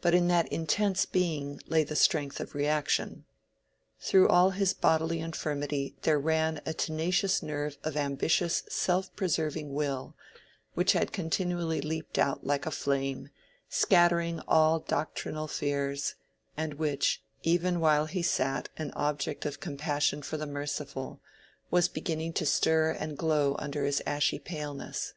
But in that intense being lay the strength of reaction. Through all his bodily infirmity there ran a tenacious nerve of ambitious self preserving will, which had continually leaped out like a flame, scattering all doctrinal fears, and which, even while he sat an object of compassion for the merciful, was beginning to stir and glow under his ashy paleness.